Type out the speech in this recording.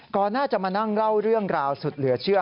ก่อนหน้าจะมานั่งเล่าเรื่องราวสุดเหลือเชื่อ